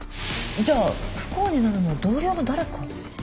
じゃあ不幸になるのは同僚の誰か？